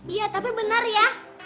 iya tapi benar ya